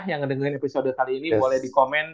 yang dengerin episode kali ini boleh di komen